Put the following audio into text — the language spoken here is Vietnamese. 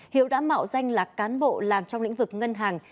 hiếu đã mạo danh là cán bộ làm trong lĩnh vực ngân hàng